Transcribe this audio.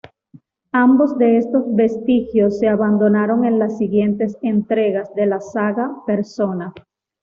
Ambos de estos vestigios se abandonaron en las siguientes entregas de la saga Persona.